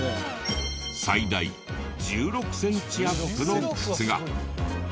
最大１６センチアップの靴が。